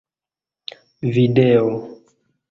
video